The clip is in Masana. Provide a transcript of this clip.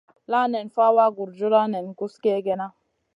La nen fawa gurjuda nen guss kegena.